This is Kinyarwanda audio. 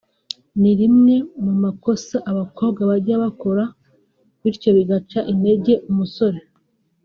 ni rimwe mu makosa abakobwa bajya bakora bityo bigaca intege umusore